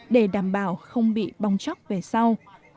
để đảm bảo không bị bong chóc về sau